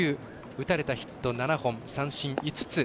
打たれたヒット７本、三振５つ。